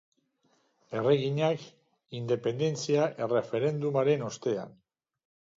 Erreginak, independentzia-erreferendumaren ostean.